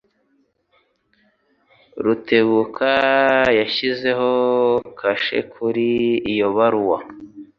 Rutebuka yashyizeho kashe kuri iyo baruwa.